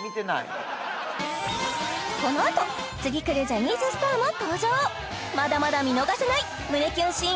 このあと次くるジャニーズスターも登場まだまだ見逃せない胸キュンシーンが盛りだくさん！